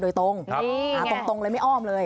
โดยตรงหาตรงเลยไม่อ้อมเลย